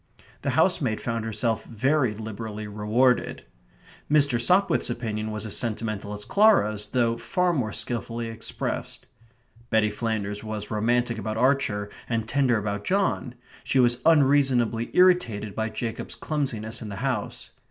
The housemaid found herself very liberally rewarded. Mr. Sopwith's opinion was as sentimental as Clara's, though far more skilfully expressed. Betty Flanders was romantic about Archer and tender about John; she was unreasonably irritated by Jacob's clumsiness in the house.